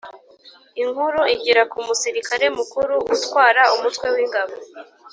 inkuru igera ku musirikare mukuru utwara umutwe w’ingabo